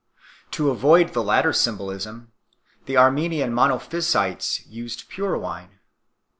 To avoid the latter symbolism the Armenian Monophysites used pure wine 4